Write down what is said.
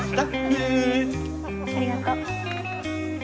ありがとう。